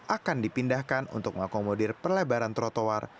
akan dipindahkan untuk mengakomodir perlebaran trotoar